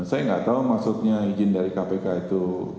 saya nggak tahu maksudnya izin dari kpk itu